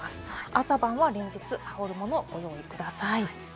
朝晩は連日、羽織るものをご用意ください。